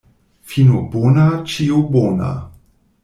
Fino bona, ĉio bona.